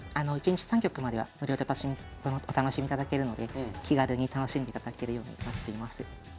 １日３局までは無料でお楽しみいただけるので気軽に楽しんでいただけるようになっています。